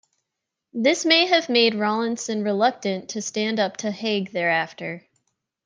This may have made Rawlinson reluctant to stand up to Haig thereafter.